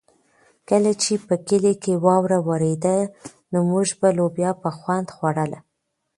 کله چې په کلي کې واوره ورېده نو موږ به لوبیا په خوند خوړله.